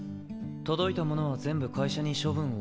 届いたものは全部会社に処分を。